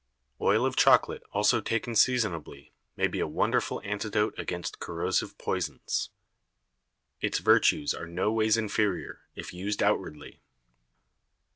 Oil of Chocolate also taken seasonably, may be a wonderful Antidote against corrosive Poisons. Its Vertues are no ways inferior, if used outwardly.